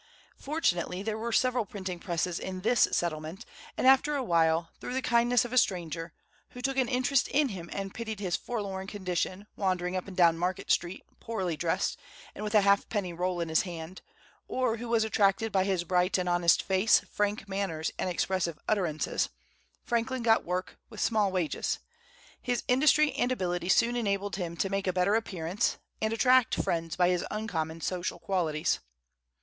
Fortunately, there were several printing presses in this settlement; and after a while, through the kindness of a stranger, who took an interest in him and pitied his forlorn condition, wandering up and down Market Street, poorly dressed, and with a halfpenny roll in his hand, or who was attracted by his bright and honest face, frank manners, and expressive utterances, Franklin got work, with small wages. His industry and ability soon enabled him to make a better appearance, and attract friends by his uncommon social qualities.